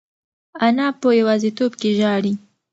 انا په یوازیتوب کې ژاړي.